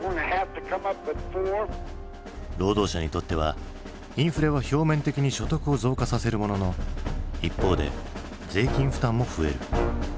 労働者にとってはインフレは表面的に所得を増加させるものの一方で税金負担も増える。